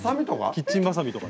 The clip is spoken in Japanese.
キッチンばさみとか。